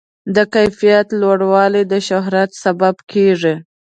د کیفیت لوړوالی د شهرت سبب کېږي.